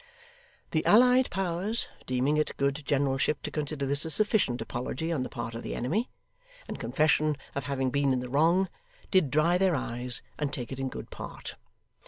The allied powers deeming it good generalship to consider this a sufficient apology on the part of the enemy, and confession of having been in the wrong, did dry their eyes and take it in good part.